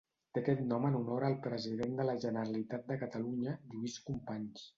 Té aquest nom en honor al president de la Generalitat de Catalunya Lluís Companys.